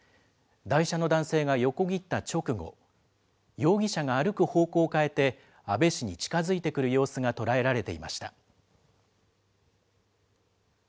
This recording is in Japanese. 台車の男性が横切った直後、容疑者が歩く方向を変えて、安倍氏に近づいてくる様子が捉えられていました。